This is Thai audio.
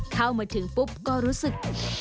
เข้ามาถึงปุ๊บก็รู้สึก